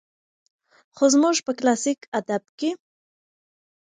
خو زموږ په کلاسيک ادب کې